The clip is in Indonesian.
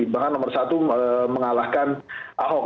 bahkan nomor satu mengalahkan ahok